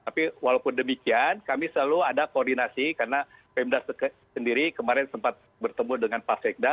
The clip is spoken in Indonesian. tapi walaupun demikian kami selalu ada koordinasi karena pemda sendiri kemarin sempat bertemu dengan pak sekda